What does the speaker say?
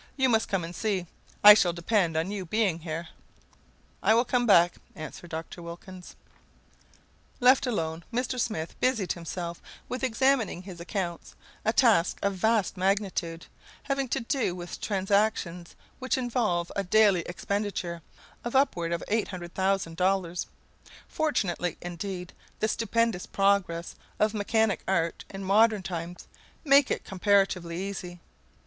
You must come and see. I shall depend on your being here." "I will come back," answered Dr. Wilkins. Left alone, Mr. Smith busied himself with examining his accounts a task of vast magnitude, having to do with transactions which involve a daily expenditure of upward of $800,000. Fortunately, indeed, the stupendous progress of mechanic art in modern times makes it comparatively easy.